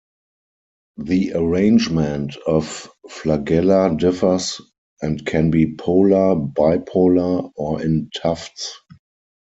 The arrangement of flagella differs and can be polar, bipolar, or in tufts.